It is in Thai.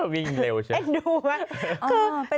วิ่งเร็วใช่มั้ย